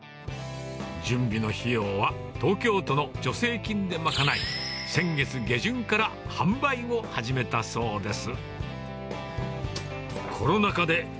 準備の費用は、東京都の助成金で賄い、先月下旬から販売を始めたそうです。